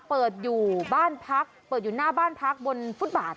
เปิดอยู่บ้านพักเปิดอยู่หน้าบ้านพักบนฟุตบาท